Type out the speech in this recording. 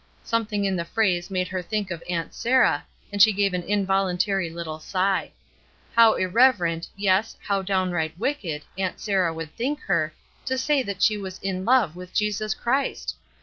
Something in the phrase made her think of Aunt Sarah, and she gave an involuntary httle sigh. How irreverent, yes, how downright wicked. Aunt Sarah would think her, to say that she was "in love" with Jesus Christ!